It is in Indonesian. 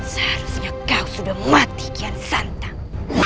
seharusnya kau sudah mati kian santang